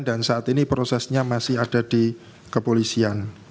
dan saat ini prosesnya masih ada di kepolisian